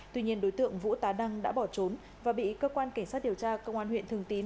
tuy nhiên đối tượng vũ tá đăng đã bỏ trốn và bị cơ quan cảnh sát điều tra công an huyện thường tín